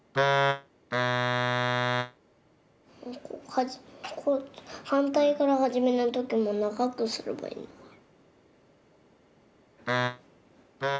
はじはんたいからはじめないときもながくすればいいのかな。